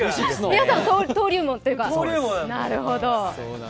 皆さん、登竜門というかなるほど。